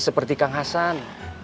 seperti kang hasan